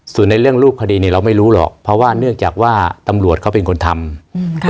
ส่วนในเรื่องรูปคดีเนี่ยเราไม่รู้หรอกเพราะว่าเนื่องจากว่าตำรวจเขาเป็นคนทำ